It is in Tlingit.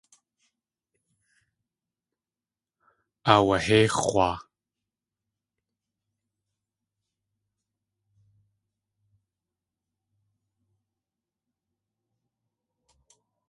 Aawahéix̲waa.